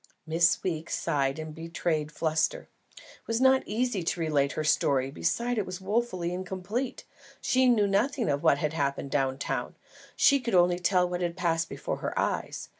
Miss Weeks sighed and betrayed fluster. It was not easy to relate her story; besides it was wofully incomplete. She knew nothing of what had happened down town, she could only tell what had passed before her eyes.